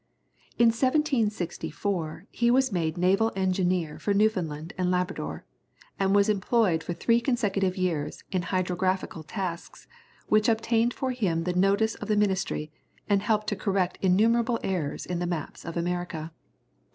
In 1764 he was made naval engineer for Newfoundland and Labrador, and was employed for three consecutive years in hydrographical tasks, which obtained for him the notice of the ministry, and helped to correct innumerable errors in the maps of America.